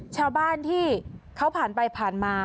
ชาวบ้านที่เขาผ่านไปผ่านมา